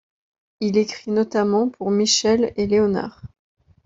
Il écrit notamment pour Michelle et Leonard.